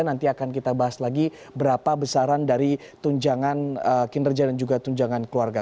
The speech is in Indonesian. nanti akan kita bahas lagi berapa besaran dari tunjangan kinerja dan juga tunjangan keluarga